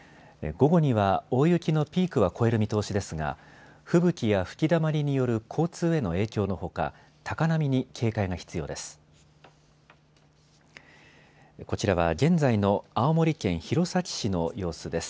午後には大雪のピークは越える見通しですが吹雪や吹きだまりによる交通への影響のほか高波に警戒が必要です。